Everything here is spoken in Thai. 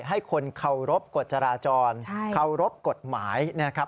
ให้คนเคารพกฎจราจรเคารพกฎหมายนะครับ